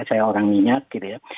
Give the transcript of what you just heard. saya orang minyak gitu ya